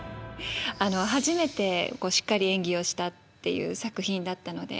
初めてしっかり演技をしたっていう作品だったので。